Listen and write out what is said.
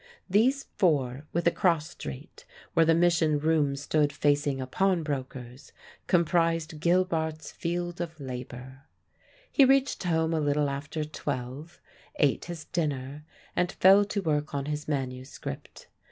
These four with a cross street, where the Mission Room stood facing a pawnbroker's comprised Gilbart's field of labour. He reached home a little after twelve, ate his dinner, and fell to work on his manuscript.